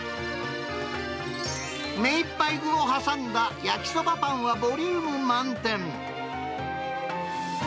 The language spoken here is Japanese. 目いっぱい具を挟んだ焼きそばパンはボリューム満点。